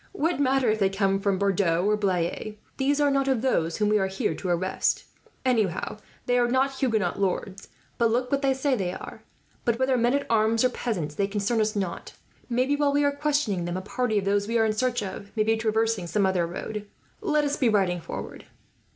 "What matter if they came from Bordeaux or Blaye, these are not of those whom we are here to arrest. Anyhow they are not Huguenot lords, but look what they say they are; but whether men at arms, or peasants, they concern us not. Maybe, while we are questioning them, a party of those we are in search of may be traversing some other road. Let us be riding forward."